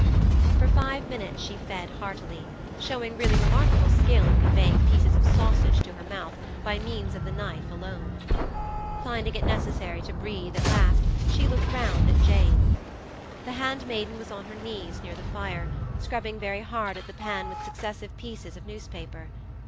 For five minutes she fed heartily, showing really remarkable skill in conveying pieces of sausage to her mouth by means of the knife alone. Finding it necessary to breathe at last, she looked round at Jane. The hand maiden was on her knees near the fire, scrubbing very hard at the pan with successive pieces of newspaper.